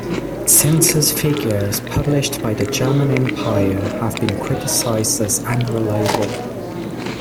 Census figures published by the German Empire have been criticised as unreliable.